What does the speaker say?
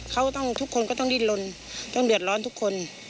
เขาต้องทุกคนก็ต้องดิ้นลนต้องเดือดร้อนทุกคน